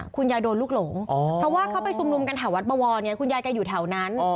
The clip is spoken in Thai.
คุณยายโดนลูกหลงเพราะว่าเข้าไปชุมรุมกันกับหวัดประวัลคุณยายก็อยู่แถวนั้น